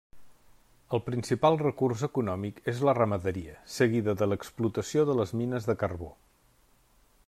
El principal recurs econòmic és la ramaderia, seguida de l'explotació de les mines de carbó.